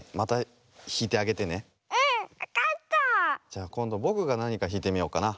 じゃこんどぼくがなにかひいてみようかな。